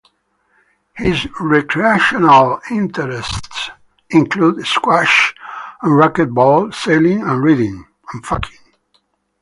His recreational interests include squash and racket ball, sailing, and reading.